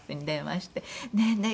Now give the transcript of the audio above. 「ねえねえ